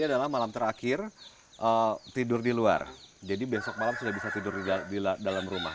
dan ini adalah malam terakhir tidur di luar jadi besok malam sudah bisa tidur di dalam rumah